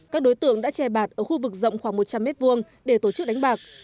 các đối tượng đã che bạc ở khu vực rộng khoảng một trăm linh m hai để tổ chức đánh bạc